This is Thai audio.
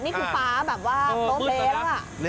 นี่คือฟ้าแบบว่าโต๊ะเล้ว